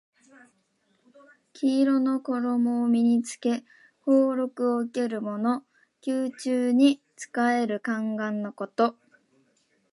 黄色の衣を身に着け俸禄を受けるもの。宮中に仕える宦官のこと。